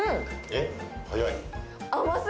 えっ早い。